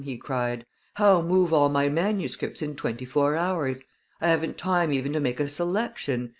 he cried; "how move all my manuscripts in twenty four hours? I haven't time even to make a selection.